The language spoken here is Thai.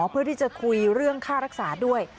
เพื่อที่จะคุยเรื่องค่ารักษาด้วย